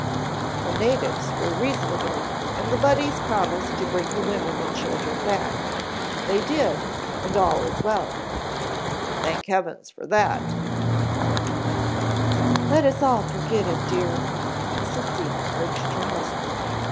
"The natives were reasonable and the Buddies promised to bring the women and children back. They did, and all is well " "Thank heavens for that " "Let us all forget it, dear," Mrs. Seaman urged her husband.